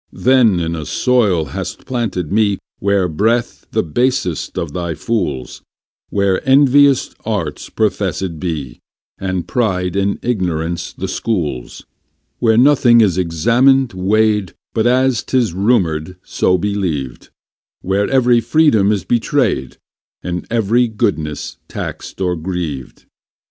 Then in a soil hast planted me Where breathe the basest of thy fools; Where envious arts professèd be, And pride and ignorance the schools; Where nothing is examined, weighd, But as tis rumourd, so believed; Where every freedom is betrayd, And every goodness taxd or grieved.